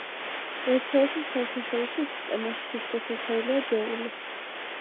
ერთეულთა საერთაშორისო სისტემაში სითბოს ერთეულია ჯოული.